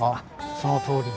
そのとおり。